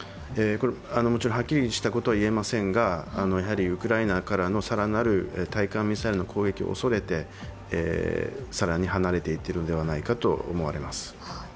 もちろんはっきりしたことは言えませんがウクライナからの更なる対艦ミサイルの攻撃を恐れて更に離れていってるんではないかと思われます。